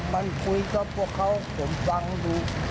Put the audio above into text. มันคุยกับพวกเขาผมฟังอยู่